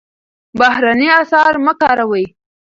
بهرني اسعار مه کاروئ.